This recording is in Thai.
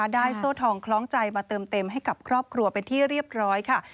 โซ่ทองคล้องใจมาเติมเต็มให้กับครอบครัวเป็นที่เรียบร้อยค่ะ